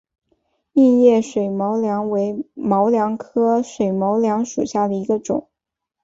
硬叶水毛茛为毛茛科水毛茛属下的一个种。